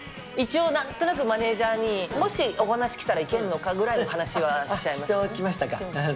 一応何となくマネージャーに「もしお話来たらいけんのか？」ぐらいの話はしちゃいましたね。